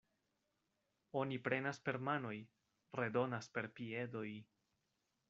Oni prenas per manoj, redonas per piedoj.